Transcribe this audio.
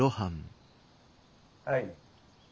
はい。